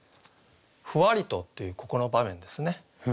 「ふわりと」というここの場面ですね。